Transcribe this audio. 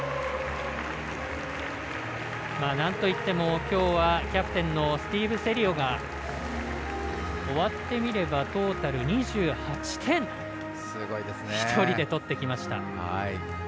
なんといってもきょうはキャプテンのスティーブ・セリオが終わってみればトータル２８点１人で取ってきました。